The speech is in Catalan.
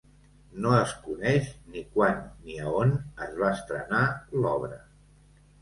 No es coneix ni quan ni a on es va estrenar l'obra.